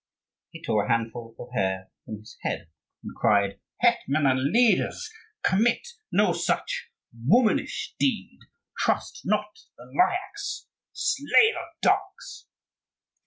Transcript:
He tore a handful of hair from his head, and cried: "Hetman and leaders! Commit no such womanish deed. Trust not the Lyakhs; slay the dogs!"